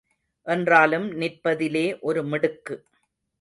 என்றாலும் நிற்பதிலே ஒரு மிடுக்கு.